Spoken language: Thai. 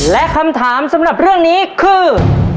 และคำถามสำหรับเรื่องนี้คือ